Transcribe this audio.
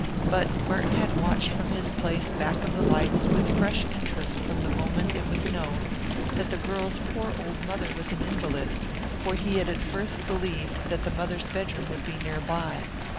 But Merton had watched from his place back of the lights with fresh interest from the moment it was known that the girl's poor old mother was an invalid, for he had at first believed that the mother's bedroom would be near by.